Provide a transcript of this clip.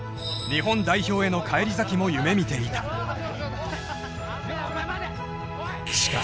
日本代表への返り咲きも夢見ていたお前待て！